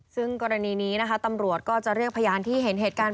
ซึ่งกรณีนี้นะคะตำรวจก็จะเรียกพยานที่เห็นเหตุการณ์